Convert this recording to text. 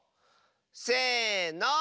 せの！